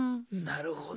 なるほど。